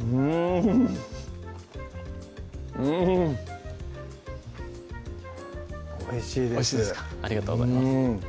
うんうんおいしいですありがとうございます